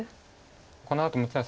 このあと六浦さん